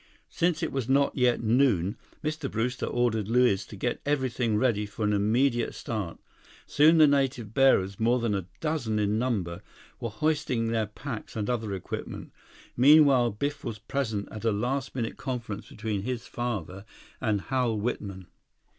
Since it was not yet noon, Mr. Brewster ordered Luiz to get everything ready for an immediate start. Soon the native bearers, more than a dozen in number, were hoisting their packs and other equipment. Meanwhile, Biff was present at a last minute conference between his father and Hal Whitman.